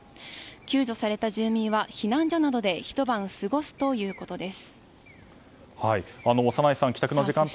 救助された住民は避難所などでひと晩過ごすということです。